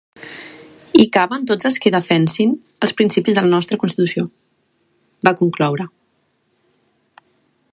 Hi caben tots els qui defensin els principis de la nostra constitució, va concloure.